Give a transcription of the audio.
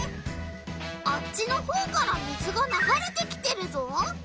あっちのほうから水がながれてきてるぞ。